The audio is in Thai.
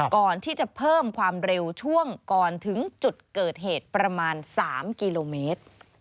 ก่อนที่จะเพิ่มความเร็วช่วงก่อนถึงจุดเกิดเหตุประมาณ๓กิโลเมตร